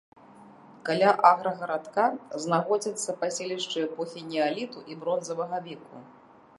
Каля аграгарадка знаходзяцца паселішчы эпохі неаліту і бронзавага веку.